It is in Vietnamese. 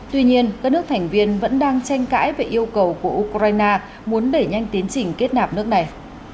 tuy nhiên các nước thành viên vẫn đang tranh cãi về yêu cầu của ukraine muốn đẩy nhanh tiến trình kết nạp nước này